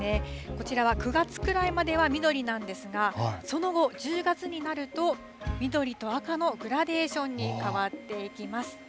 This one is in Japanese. こちらは９月くらいまでは緑なんですが、その後、１０月になると緑と赤のグラデーションに変わっていきます。